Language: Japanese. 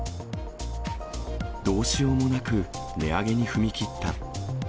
どうしようもなく、値上げに踏み切った。